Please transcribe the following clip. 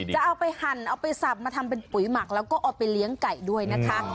จะเอาไปหั่นเอาไปสับมาทำเป็นปุ๋ยหมักแล้วก็เอาไปเลี้ยงไก่ด้วยนะคะ